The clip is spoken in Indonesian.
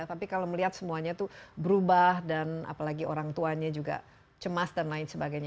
tapi kalau melihat semuanya itu berubah dan apalagi orang tuanya juga cemas dan lain sebagainya